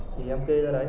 thì em kê ra đấy